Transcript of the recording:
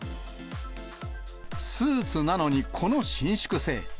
スーツなのにこの伸縮性。